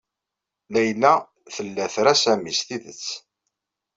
Layla tella tra Sami s tidet.